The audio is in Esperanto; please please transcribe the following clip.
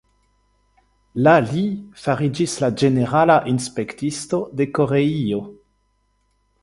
La li fariĝis la ĝenerala inspektisto de Koreio.